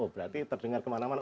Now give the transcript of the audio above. berarti terdengar kemana mana